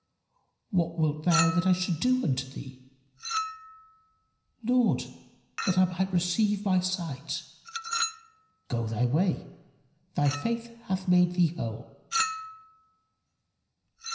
"What wilt thou that I should do unto thee?" "Lord, that I might receive my sight." "Go thy way; thy faith hath made thee whole."